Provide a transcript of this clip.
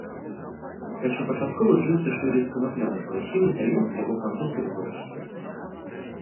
Першапачаткова джынсы шылі з канаплянай парусіны італьянскай або французскай вытворчасці.